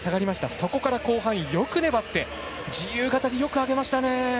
そこから後半、よく粘って自由形でよく上げましたね。